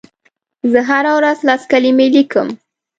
زه هره ورځ لس کلمې لیکم.